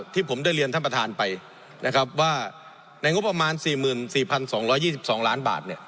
ที่ผมได้เรียนท่านประธานไปนะครับว่าในงบประมาณ๔๔๒๒๒ล้านบาท